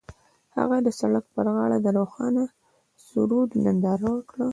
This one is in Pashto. هغوی د سړک پر غاړه د روښانه سرود ننداره وکړه.